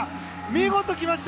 見事来ました！